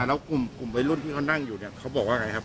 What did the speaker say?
แล้วกลุ่มวัยรุ่นที่เขานั่งอยู่เนี่ยเขาบอกว่าไงครับ